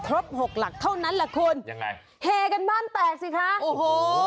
ทรบ๖หลักเท่านั้นแหละคุณแฮกันบ้านแตกสิคะโอ้โห